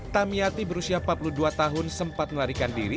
tamiati berusia empat puluh dua tahun sempat melarikan diri